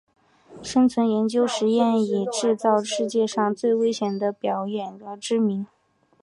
生存研究实验室以制造世界上最危险的表演而知名。